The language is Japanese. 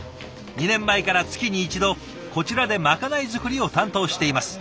２年前から月に一度こちらでまかない作りを担当しています。